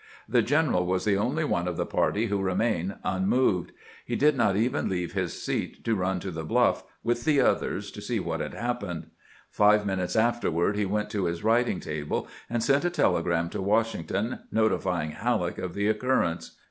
The general was the only one of the party who remained unmoved ; he did not even leave his seat to run to the bluff with the others to see what had hap pened. Five minutes afterward he went to his writing table and sent a telegram to Washington, notifying Halleck of the occurrence.